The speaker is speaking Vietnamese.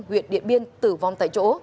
nguyễn điện biên tử vong tại chỗ